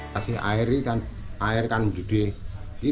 kasih air air kan berdiri